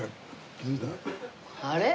あれ？